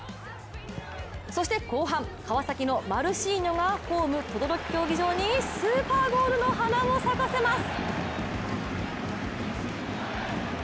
そして後半、川崎のマルシーニョがホーム・等々力競技場にスーパーゴールの花を咲かせます。